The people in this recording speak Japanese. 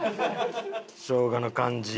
しょうがの感じ。